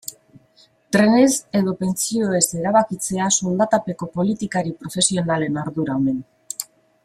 Trenez edo pentsioez erabakitzea soldatapeko politikari profesionalen ardura omen.